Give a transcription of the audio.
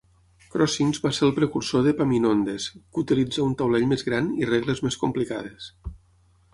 Crossings va ser el precursor d'epaminondes, que utilitza un taulell més gran i regles més complicades.